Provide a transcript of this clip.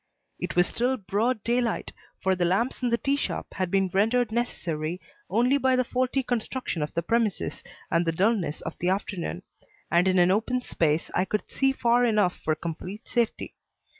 It was still broad daylight for the lamps in the tea shop had been rendered necessary only by the faulty construction of the premises and the dullness of the afternoon and in an open space I could see far enough for complete safety.